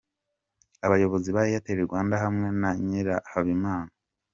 Abayobozi ba Airtel Rwanda hamwe na Nyirahabimana.